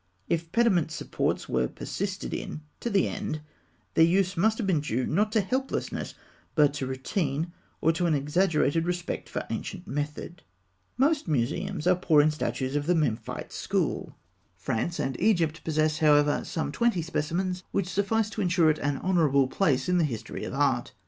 If pediment supports were persisted in to the end, their use must have been due, not to helplessness, but to routine, or to an exaggerated respect for ancient method. [Illustration: Fig. 185. The Cross legged Scribe at the Louvre, Old Empire.] Most museums are poor in statues of the Memphite school; France and Egypt possess, however, some twenty specimens which suffice to ensure it an honourable place in the history of art.